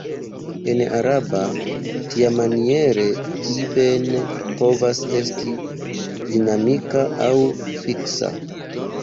En araba tiamaniere "Ibn" povas esti dinamika aŭ fiksa!